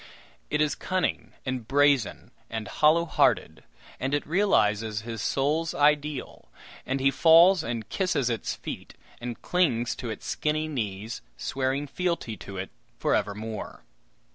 It is cunning and brazen and hollow hearted, and it realizes his souls ideal, and he falls and kisses its feet, and clings to its skinny knees, swearing fealty to it for evermore!